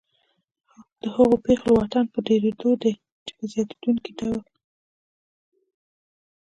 د هغو پیغلو واټن په ډېرېدو دی چې په زیاتېدونکي ډول